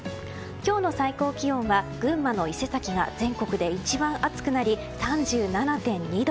今日の最高気温は群馬の伊勢崎が全国で一番暑くなり３７．２度。